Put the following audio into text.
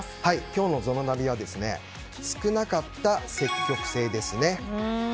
今日のＺＯＮＯナビは少なかった積極性です。